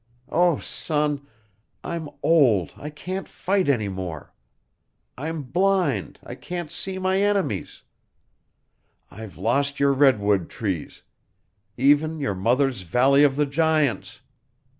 Oh, son! I'm old I can't fight any more. I'm blind I can't see my enemies. I've lost your redwood trees even your mother's Valley of the Giants."